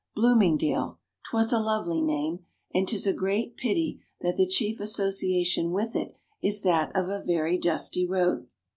Bloomingdale! Twas a lovely name, and 'tis a great pity that the chief association with it is that of a very dusty road.